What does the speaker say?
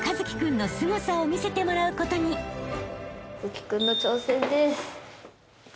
一輝君の挑戦です。